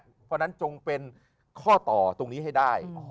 เพราะฉะนั้นจงเป็นข้อต่อตรงนี้ให้ได้